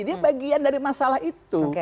dia bagian dari masalah itu